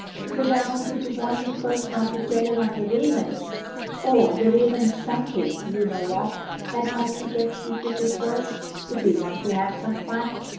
"Because I wanted to warn you first not to tell her or the Raymonds something (you know what) that must be kept secret at first, if we want to have some fun."